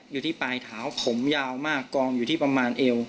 อยู่ที่ปลายเท้าผมยาวมากกองอยู่ที่ประมาณเอว